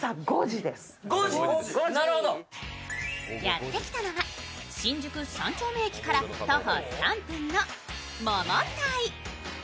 やってきたのは新宿三丁目駅から徒歩３分のモモタイ。